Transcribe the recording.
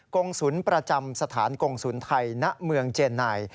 กงศุลประจำสถานกงศูนย์ไทยณเมืองเจนไน